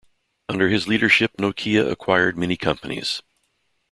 Under his leadership Nokia acquired many companies.